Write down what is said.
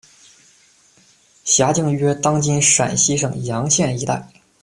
辖境约当今陕西省洋县一带。